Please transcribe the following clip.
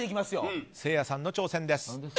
せいやさんの挑戦です。